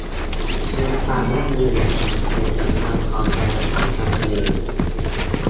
และความยั่งยืนในการใช้ทรัพยากรธรรมชาติทางทะเล